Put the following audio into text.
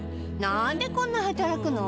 なんでこんな働くの？